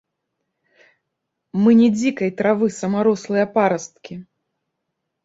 Мы не дзікай травы самарослыя парасткі.